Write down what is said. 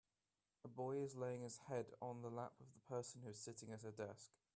A boy is laying his head on the lap of the person who is sitting at a desk